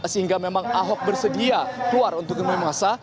sehingga memang ahok bersedia keluar untuk menemui masa